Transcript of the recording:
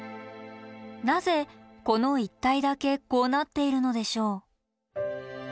なぜこの一帯だけこうなっているのでしょう？